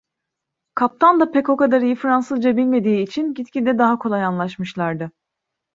Kaptan da pek o kadar iyi Fransızca bilmediği için, gitgide daha kolay anlaşmışlardı.